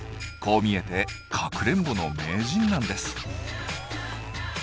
こう見えてかくれんぼの名人なんです。